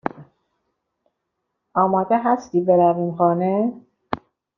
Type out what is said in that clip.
آماده هستی برویم خانه؟